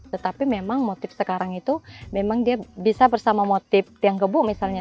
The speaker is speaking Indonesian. tetapi memang motif sekarang itu memang dia bisa bersama motif tiang kebu misalnya